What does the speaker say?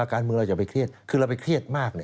การเมืองเราอย่าไปเครียดคือเราไปเครียดมาก